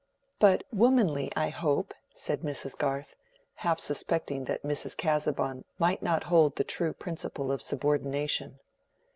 "But womanly, I hope," said Mrs. Garth, half suspecting that Mrs. Casaubon might not hold the true principle of subordination.